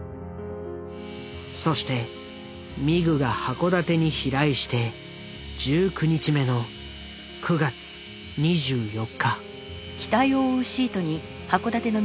そしてミグが函館に飛来して１９日目の９月２４日。